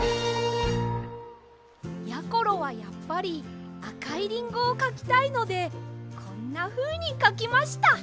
やころはやっぱりあかいリンゴをかきたいのでこんなふうにかきました！